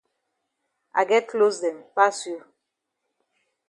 I get closs dem pass you.